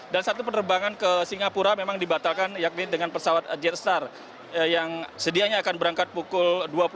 dan satu penerbangan ke singapura memang dibatalkan yakni dengan pesawat jetstar yang sedianya akan berangkat pukul dua puluh dua lima belas